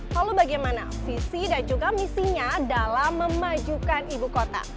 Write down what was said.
lalu bagaimana visi dan juga misinya dalam memajukan ibu kota